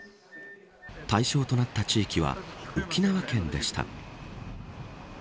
対象となった地域は沖縄県でした。